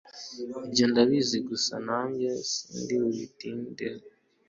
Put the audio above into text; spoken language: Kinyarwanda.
ibyo ndabizi gusa nanjye sindibutindeyo